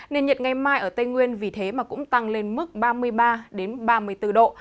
nền nhiệt ngày mai ở tây nguyên vì thế mà cũng tăng lên mức ba mươi ba ba mươi bốn độ